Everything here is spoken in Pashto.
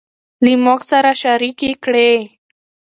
له موږ سره شريکې کړي